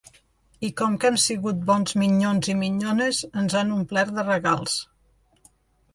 I com que hem sigut bons minyons i minyones ens han omplert de regals.